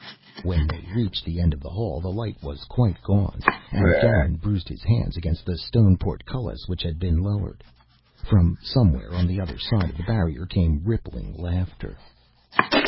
When they reached the end of the hall the light was quite gone, and Garin bruised his hands against the stone portcullis which had been lowered. From somewhere on the other side of the barrier came rippling laughter.